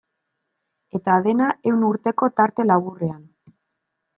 Eta dena ehun urteko tarte laburrean.